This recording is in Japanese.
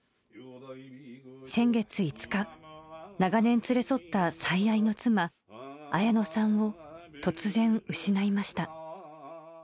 先月５日、長年連れ添った最愛の妻、綾乃さんを突然失いました。